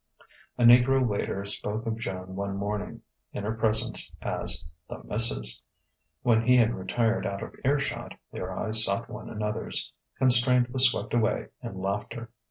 A negro waiter spoke of Joan one morning, in her presence, as "the Missus." When he had retired out of earshot, their eyes sought one another's; constraint was swept away in laughter.